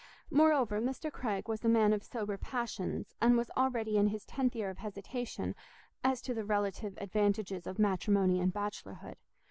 Moreover, Mr. Craig was a man of sober passions, and was already in his tenth year of hesitation as to the relative advantages of matrimony and bachelorhood.